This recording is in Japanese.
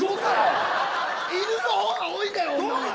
地獄だよ犬の方が多いんだよ。